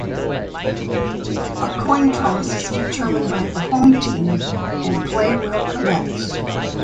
A coin toss is determined by the 'home' team and play will commence.